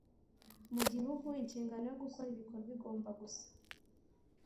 mugihugu inshingano yo gukora ibikorwa igomba gusa